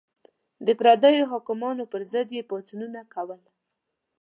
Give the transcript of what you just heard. د پردیو حکمرانانو پر ضد یې پاڅونونه کول.